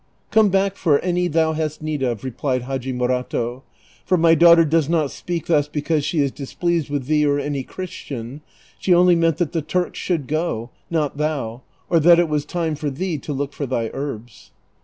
" Come back for any thou hast need of," replied Hadji Moi'ato ;" for my daughter does not speak thus because she is displeased witli thee or any Chi'istian : she only meant that the Turks should go, not thou ; or that it was time for thee to look for thy herbs."